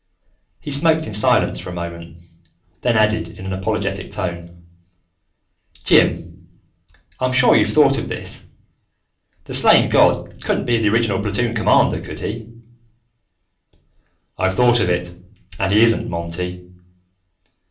He smoked in silence for a moment, then added, in an apologetic tone, "Jim, I'm sure you've thought of this: the slain god couldn't be the original platoon commander, could he?" "I've thought of it, and he isn't, Monty.